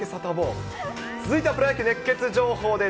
続いてはプロ野球熱ケツ情報です。